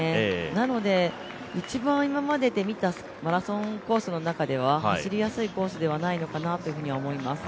なので、一番今までで見たマラソンコースの中では走りやすいコースではないのかなと思います。